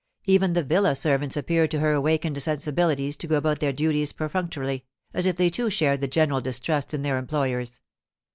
Even the villa servants appeared to her awakened sensibilities to go about their duties perfunctorily, as if they too shared the general distrust in their employers.